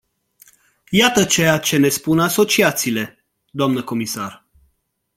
Iată ceea ce ne spun asociațiile, doamnă comisar.